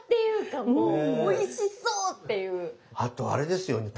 あとあれですよね